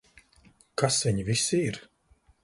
Kas viņi visi ir?